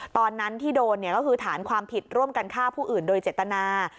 ตอนนั้นที่โดนก็คือฐานความผิดร่วมกันฆ่าผู้อื่นโดยเจตนา